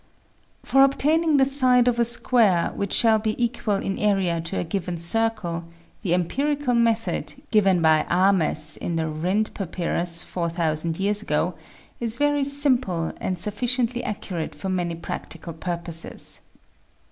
For obtaining the side of a square which shall be equal in area to a given circle, the empirical method, given by Ahmes in the Rhind papyrus 4000 years ago, is very SQUARING THE CIRCLE 25 simple and sufficiently accurate for many practical purposes.